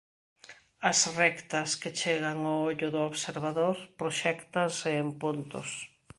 As rectas que chegan ao ollo do observador proxéctanse en puntos.